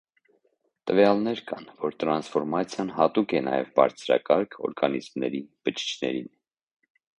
Տվյալներ կան, որ տրանսֆորմացիան հատուկ է նաև բարձրակարգ օրգանիզմների բջիջներին։